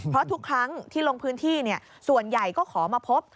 เพราะทุกครั้งที่ลงพื้นที่ส่วนใหญ่ก็ขอมาพบ